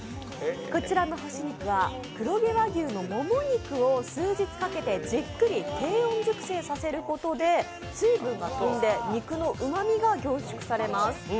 こちらの干し肉は黒毛和牛の黒肉をじっくり低温熟させることで水分が飛んで肉のうまみが凝縮されます。